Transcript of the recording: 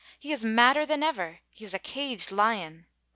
He is madder than ever — he is a caged lion.